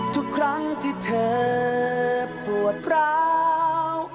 ทุกครั้งที่เธอปวดร้าว